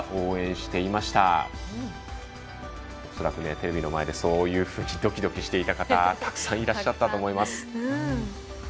テレビの前でそういうふうにドキドキしていた方たくさんいらっしゃったと思います。